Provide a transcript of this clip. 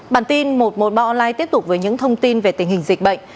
bản tin một trăm một mươi ba online tiếp tục với những thông tin về tình hình dịch bệnh